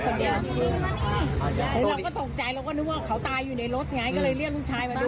เราก็ตกใจเราก็นึกว่าเขาตายอยู่ในรถไงก็เลยเรียกลูกชายมาดู